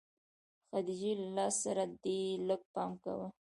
خديجې له لاس سره دې لږ پام کوه.